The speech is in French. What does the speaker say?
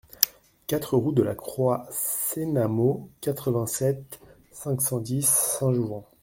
quatre route de la Croix Sénamaud, quatre-vingt-sept, cinq cent dix, Saint-Jouvent